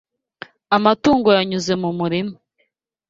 Amatungo yanyuze mu murima